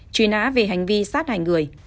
truy nã về hành vi sát hành người